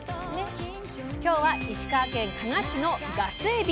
今日は石川県加賀市の「ガスエビ」。